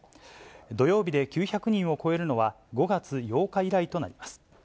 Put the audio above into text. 土曜日で９００人を超えるのは、５月８日以来となります。